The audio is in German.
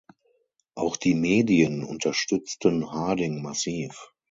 Auch die Medien unterstützten Harding massiv.